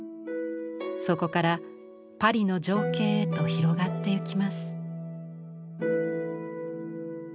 そこからパリの情景へと広がっていきます。